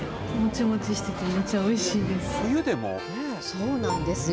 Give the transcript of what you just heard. そうなんですよ。